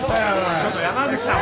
ちょっと山口さん。